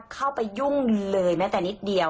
เข้าไปยุ่งเลยแม้แต่นิดเดียว